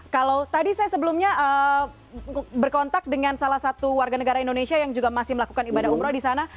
kalau tadi saya sebelumnya berkontak dengan salah satu warga negara indonesia yang juga masih melakukan ibadah umroh di sana